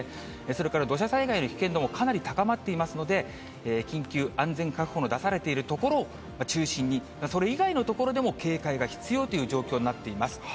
それから土砂災害の危険度もかなり高まっていますので、緊急安全確保の出されている所を中心に、それ以外の所でも警戒が必要という状況になっています。